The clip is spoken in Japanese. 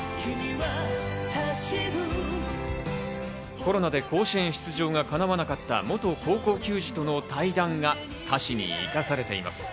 コロナで甲子園出場がかなわなかった元高校球児との対談が歌詞に生かされています。